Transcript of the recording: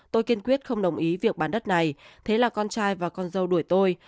tôi kiên quyết không đồng ý việc bán đất này thế là con trai và con dâu đuổi tôi